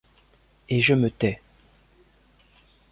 Et je me tais.